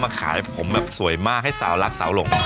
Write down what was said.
มาขายผมเนี่ยสวยมากให้สาวรักสาวรง